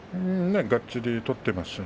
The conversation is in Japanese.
がっちり取っていました。